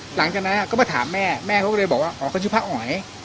หลังจากนั้นก็มาถามแม่แม่เขาก็เลยบอกว่าอ๋อเขาชื่อพระอ๋อย